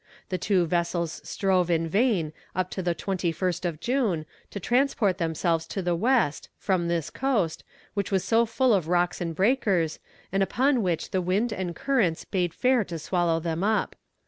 The two vessels strove in vain up to the 21st of June to transport themselves to the west, from this coast, which was so full of rocks and breakers, and upon which the wind and currents bade fair to swallow them up.